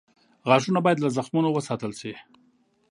غاښونه باید له زخمونو وساتل شي.